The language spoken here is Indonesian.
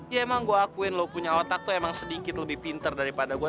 ya emang gue akuin lo punya otak tuh emang sedikit lebih pinter daripada gue